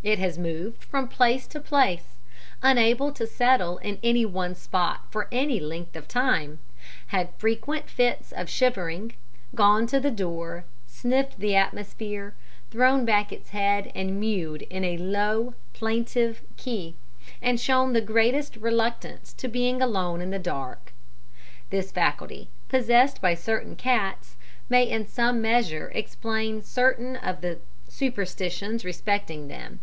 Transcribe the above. It has moved from place to place, unable to settle in any one spot for any length of time, had frequent fits of shivering, gone to the door, sniffed the atmosphere, thrown back its head and mewed in a low, plaintive key, and shown the greatest reluctance to being alone in the dark. "This faculty possessed by certain cats may in some measure explain certain of the superstitions respecting them.